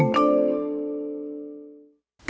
ร่วมสืบสารและอนุรักษ์วัฒนธรรมไทยโดยธนาคารกรุงเทพจำกัดมหาชน